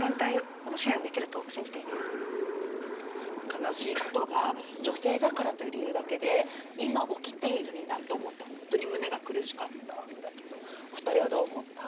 悲しいことが女性だからという理由だけで今起きているんだと思うと本当に胸が苦しかったんだけどお二人はどう思った？